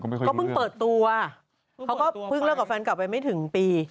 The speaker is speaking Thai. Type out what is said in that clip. ก็เพิ่งเปิดตัวเขาก็เพิ่งเลิกกับแฟนกลับไปไม่ถึงปี